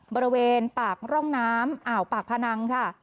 บริเวณปากร่องน้ำอ่าวปากพนังค่ะ